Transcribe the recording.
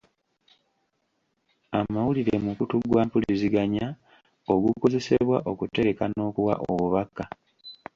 Amawulire mukutu gwa mpuliziganya ogukozesebwa okutereka n'okuwa obubaka.